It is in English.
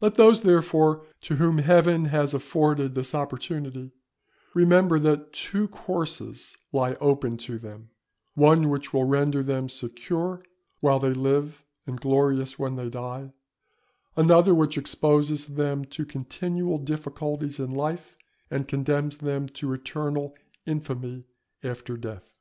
Let those therefore to whom Heaven has afforded this opportunity, remember that two courses lie open to them; one which will render them secure while they live and glorious when they die; another which exposes them to continual difficulties in life, and condemns them to eternal infamy after death.